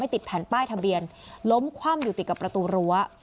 ติดแผ่นป้ายทะเบียนล้มคว่ำอยู่ติดกับประตูรั้ว